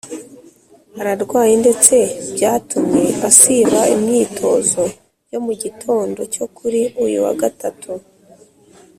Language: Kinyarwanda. ararwaye ndetse byatumye asiba imyitozo yo mu gitondo cyo kuri uyu wa gatatu